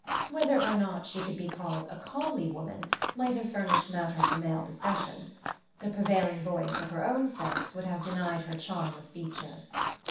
Whether or not she could be called a comely woman might have furnished matter for male discussion; the prevailing voice of her own sex would have denied her charm of feature.